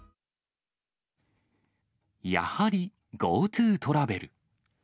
やはりＧｏＴｏトラベル。